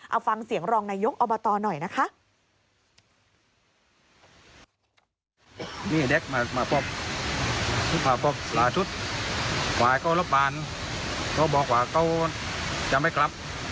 เอาฟังเสียงรองนายกอบตหน่อยนะคะ